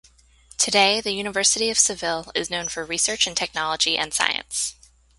Today, the University of Seville is known for research in technology and science.